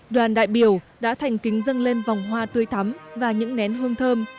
đoàn đại biểu đã thành kính dâng lên vòng hoa tươi thắm và những nén hương thơm